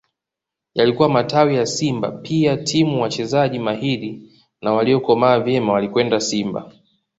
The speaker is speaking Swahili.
Yalikuwa matawi ya Simba pia timu wachezaji mahiri na waliokomaa vyema walikwenda Simba